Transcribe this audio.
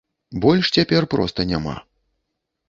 Больш цяпер проста няма.